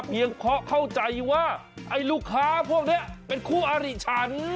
เพราะเข้าใจว่าไอ้ลูกค้าพวกนี้เป็นคู่อาริฉัน